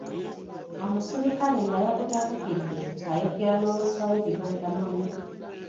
Omuserikale nga yakutabukidde ayogera n'Oluswayiri lw'otamanyi.